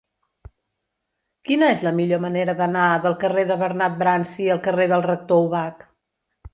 Quina és la millor manera d'anar del carrer de Bernat Bransi al carrer del Rector Ubach?